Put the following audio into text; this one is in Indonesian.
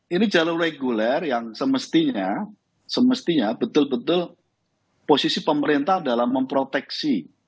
ini jalur reguler yang semestinya betul betul posisi pemerintah dalam memproteksi